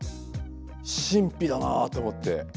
神秘だなと思って。